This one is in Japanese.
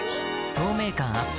透明感アップ